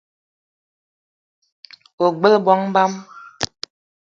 Ogbela bongo bang ?